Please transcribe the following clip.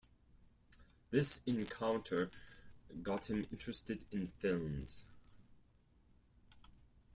This encounter got him interested in films.